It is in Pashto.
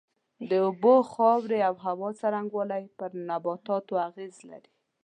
د اوبو، خاورې او هوا څرنگوالی پر نباتاتو اغېز لري.